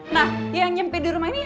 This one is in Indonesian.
nah yang nyempil dirumah ini